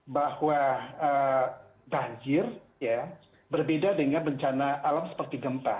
bahwa banjir ya berbeda dengan bencana alam seperti gempa